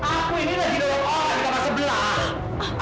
aku ini lagi lawan orang di kamar sebelah